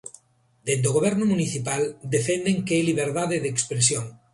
Dende o goberno municipal defenden que é liberdade de expresión.